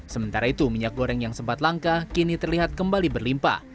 sementara itu minyak goreng yang sempat langka kini terlihat kembali berlimpah